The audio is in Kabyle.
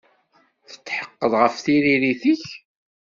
Tetḥeqqeḍ ɣef tririt-ik?